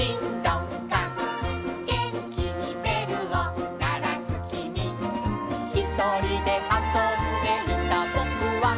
「げんきにべるをならすきみ」「ひとりであそんでいたぼくは」